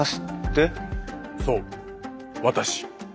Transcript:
そう私。